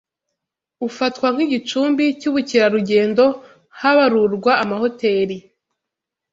ufatwa nk’igicumbi cy’ubukerarugendo habarurwa amahoteri